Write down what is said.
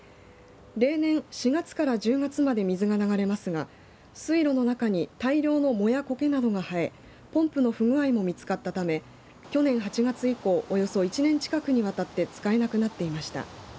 例年、４月から１０月まで水が流れますが水路の中に大量の藻やこけなどが生えポンプの不具合も見つかったため去年８月以降およそ１年近くにわたって使えなくなっていました。